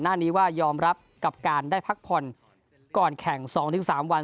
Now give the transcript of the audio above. หน้านี้ว่ายอมรับกับการได้พักผ่อนก่อนแข่ง๒๓วัน